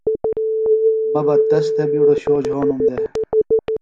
مہ بہ تس تھےۡ بِیڈوۡ شو جھونُم دےۡ